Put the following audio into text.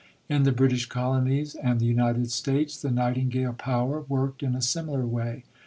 In the British Colonies and the United States the "Nightingale power" worked in a similar way.